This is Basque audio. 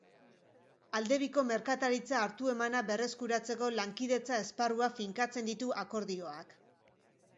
Aldebiko merkataritza hartu-emana berreskuratzeko lankidetza esparruak finkatzen ditu akordioak.